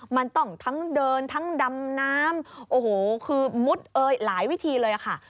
มันต้องทั้งเดินทั้งดำน้ำโอ้โหคือมุดเอ่ยหลายวิธีเลยค่ะ